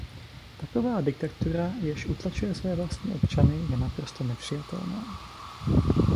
Taková diktatura, jež utlačuje své vlastní občany, je naprosto nepřijatelná.